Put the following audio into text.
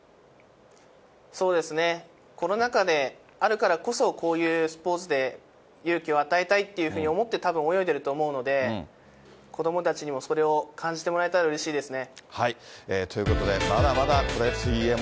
そうですね、コロナ禍であるからこそ、こういうスポーツで勇気を与えたいっていうふうに思って、たぶん泳いでいると思うので、子どもたちにもそれを感じてもらえたらうれしいですね。